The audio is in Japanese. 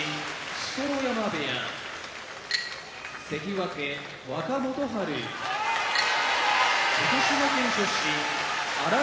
錣山部屋関脇・若元春福島県出身荒汐